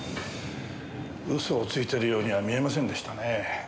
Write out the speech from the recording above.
嘘をついているようには見えませんでしたね。